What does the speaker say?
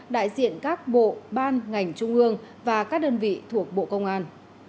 đại diện các bộ ban ngành trung ương và các đơn vị thuộc bộ công an